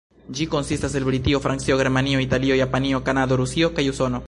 Ĝi konsistas el Britio, Francio, Germanio, Italio, Japanio, Kanado, Rusio kaj Usono.